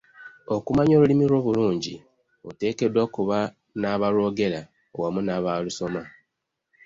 Okumanya olulimi lwo obulungi oteekeddwa okuba n'abalwogera wamu n'abaalusoma.